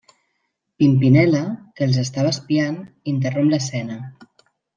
Pimpinella, que els estava espiant, interromp l'escena.